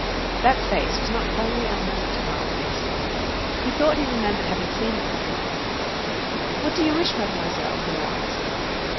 That face was not wholly unknown to Marius. He thought he remembered having seen it somewhere. "What do you wish, Mademoiselle?" he asked.